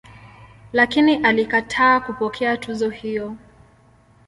Lakini alikataa kupokea tuzo hiyo.